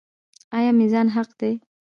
آیا میزان حق دی؟